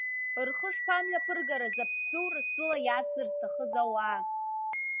Рхы шԥамҩаԥыргарыз Аԥсны Урыстәыла иадзар зҭахыз ауаа?